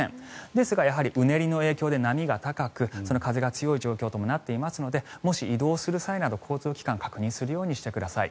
ですが、やはりうねりの影響で波が高く風が強い状況ともなっていますのでもし移動する際など交通機関を確認するようにしてください。